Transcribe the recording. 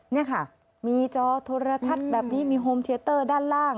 นี่ค่ะมีจอโทรทัศน์แบบนี้มีโฮมเทียเตอร์ด้านล่าง